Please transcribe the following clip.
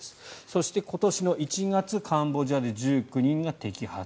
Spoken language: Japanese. そして、今年１月カンボジアで１９人が摘発。